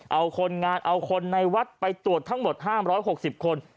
เอาคนงานเอาคนในวัดไปตรวจทั้งหมด๕๖๐คน